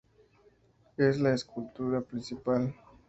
Es la escultura principal.